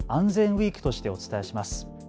ウイークとしてお伝えします。